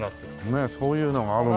ねえそういうのがあるんだ。